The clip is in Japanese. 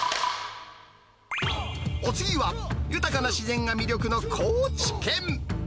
お次は、豊かな自然が魅力の高知県。